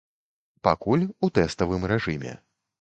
Пакуль у тэставым рэжыме.